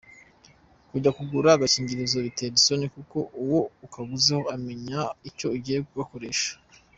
Kujya kugura agakingirizo bitera isoni kuko uwo ukaguzeho amenya icyo ugiye kugakoresha.